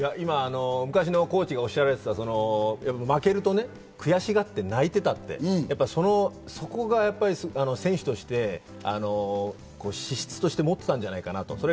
昔のコーチがおっしゃられていた、負けると悔しがって泣いていたって、やっぱりそこが選手として資質として持っていたんじゃないかと。